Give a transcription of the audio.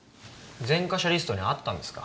前科者リストにあったんですか？